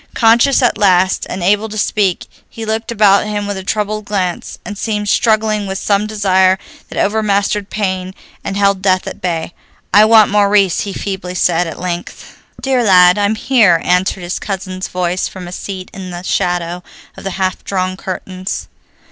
Conscious at last, and able to speak, he looked about him with a troubled glance, and seemed struggling with some desire that overmastered pain and held death at bay. "I want Maurice," he feebly said, at length. "Dear lad, I'm here," answered his cousin's voice from a seat in the shadow of the half drawn curtains.